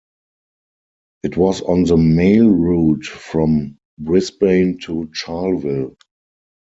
It was on the mail route from Brisbane to Charleville.